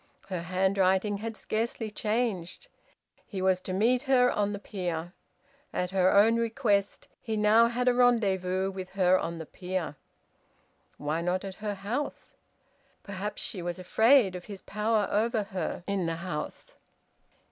Her handwriting had scarcely changed. He was to meet her on the pier. At her own request he now had a rendezvous with her on the pier! Why not at her house? Perhaps she was afraid of his power over her in the house.